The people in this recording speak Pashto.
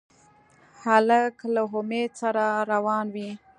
هلک له امید سره روان وي.